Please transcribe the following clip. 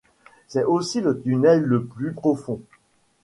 C'est aussi le tunnel le plus profond.